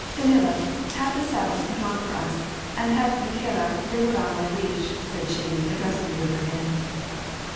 " Danila, have the saddles put on for us, and have Mikhaila bring around my leash," said she, addressing the whipx)er in.